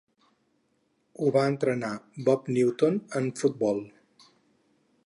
Ho va entrenar Bob Newton en futbol.